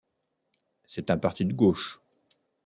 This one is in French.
C’est un parti de gauche.